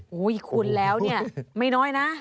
คูณแล้วเนี่ยไม่น้อยนะ